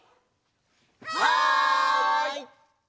はい！